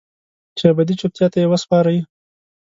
چې ابدي چوپتیا ته یې وسپارئ